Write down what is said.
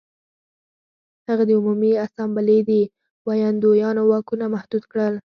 هغه د عمومي اسامبلې د ویاندویانو واکونه محدود کړل